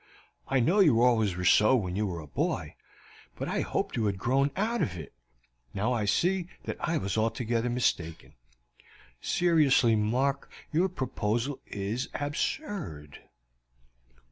I know you always were so when you were a boy, but I hoped you had grown out of it; now I see that I was altogether mistaken. Seriously, Mark, your proposal is absurd."